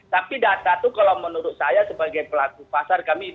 tapi data itu kalau menurut saya sebagai pelaku pasar